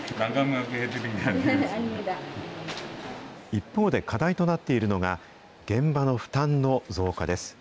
一方で課題となっているのが、現場の負担の増加です。